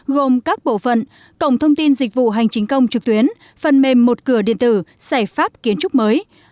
gồm các bộ phận cổng thông tin dịch vụ hành chính công trực tuyến phần mềm một cửa điện tử giải pháp kiến trúc mới